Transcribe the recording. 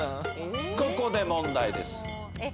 ここで問題です。